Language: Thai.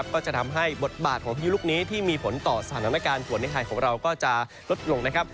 ก็จะทำให้บทบาทของพายุลูกนี้ที่มีผลต่อสถานการณ์ฝนในไทยของเราก็จะลดลงนะครับ